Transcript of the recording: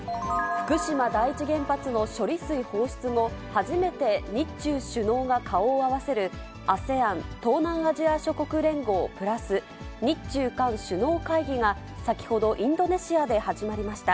福島第一原発の処理水放出後、初めて日中首脳が顔を合わせる、ＡＳＥＡＮ・東南アジア諸国連合＋日中韓首脳会議が先ほどインドネシアで始まりました。